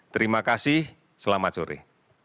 terima kasih selamat sore